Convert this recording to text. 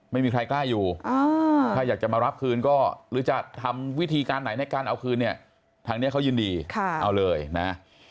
ไม่มีใครกล้าอยู่ถ้าอยากจะมารับคืนก็หรือจะทำวิธีการไหนในการเอาคืนเนี่ยทางนี้เขายินดีเอาเลยนะ